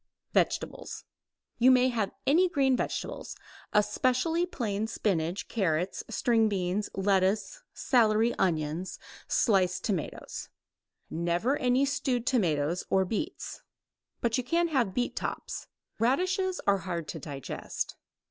Vegetables. You may have any green vegetables, especially plain spinach, carrots, string beans, lettuce, celery, onions, sliced tomatoes, never any stewed tomatoes or beets. But you can have beet tops. Radishes are hard to digest.